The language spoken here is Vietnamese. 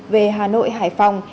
về hà nội hải phòng